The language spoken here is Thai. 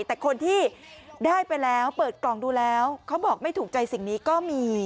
แต่คนที่ได้ไปแล้วเปิดกล่องดูแล้วเขาบอกไม่ถูกใจสิ่งนี้ก็มี